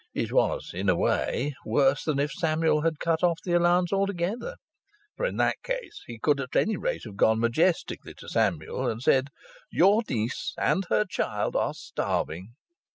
It was, in a way, worse than if Samuel had cut off the allowance altogether, for in that case he could at any rate have gone majestically to Samuel and said: "Your niece and her child are starving."